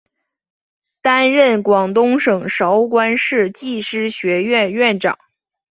担任广东省韶关市技师学院院长。